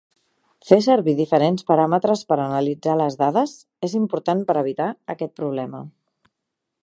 Fer servir diferents paràmetres per analitzar les dades és important per evitar aquest problema.